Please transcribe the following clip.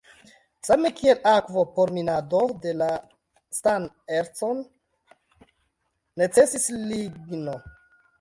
Same kiel akvo por minado de la stan-erco necesis ligno.